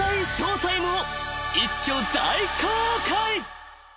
［一挙大公開］